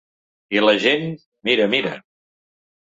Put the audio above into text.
I la gent: mira, mira.